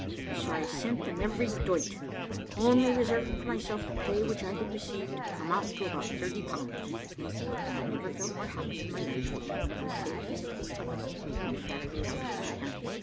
So I sent them every doit, only reserving for myself the pay which I had received, amounting to about 30 pounds: and I never felt more happy in my life than when it was safe in the post office, and fairly out of my hands.